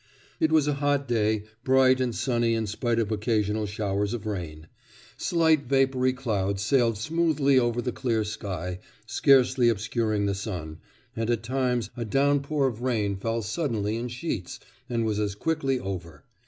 It was a hot day, bright and sunny in spite of occasional showers of rain. Slight vapoury clouds sailed smoothly over the clear sky, scarcely obscuring the sun, and at times a downpour of rain fell suddenly in sheets, and was as quickly over.